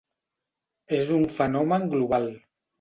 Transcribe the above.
És un fenomen global.